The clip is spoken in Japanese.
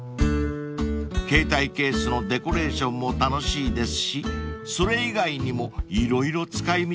［携帯ケースのデコレーションも楽しいですしそれ以外にも色々使い道がありそうですね］